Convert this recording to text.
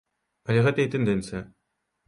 Але гэта і тэндэнцыя.